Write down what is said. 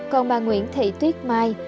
còn bà nguyễn thị tuyết mai